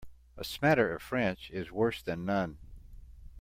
A smatter of French is worse than none.